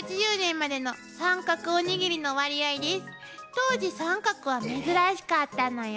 当時三角は珍しかったのよ。